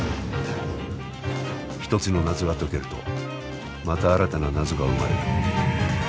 一つの謎が解けるとまた新たな謎が生まれる。